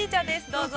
どうぞ。